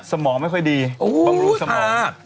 สมองไม่ค่อยดีบำรุงสมอง